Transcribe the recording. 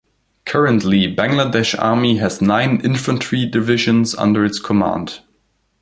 Currently, Bangladesh Army has nine infantry divisions under its command.